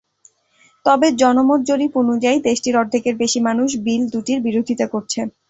তবে জনমত জরিপ অনুযায়ী, দেশটির অর্ধেকের বেশি মানুষ বিল দুটির বিরোধিতা করছে।